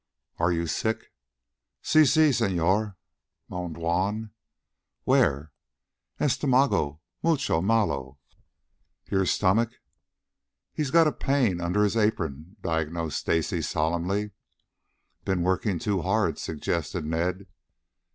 "Are you sick?" "Si, si, señor," moaned Juan. "Where?" "Estomago mucho malo." "Your stomach?" "He's got a pain under his apron," diagnosed Stacy solemnly. "Been working too hard," suggested Ned.